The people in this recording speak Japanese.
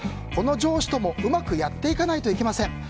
この上司とも、うまくやっていかないといけません。